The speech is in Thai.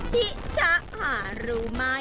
ที่ชะหารู้ไม่